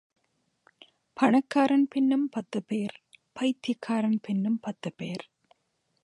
பணக்காரன் பின்னும் பத்துப்பேர், பைத்தியக்காரன் பின்னும் பத்துப்பேர்.